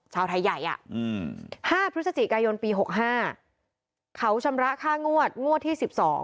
ชาวไทยใหญ่๕พฤศจิกายนปี๖๕เขาชำระค่างวดงวดที่๑๒